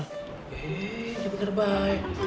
eh udah bentar bye